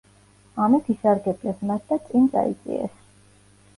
ამით ისარგებლეს მათ და წინ წაიწიეს.